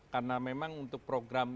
karena memang untuk program